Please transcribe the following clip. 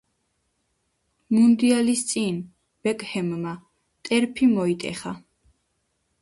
მუნდიალის წინ ბეკჰემმა ტერფი მოიტეხა.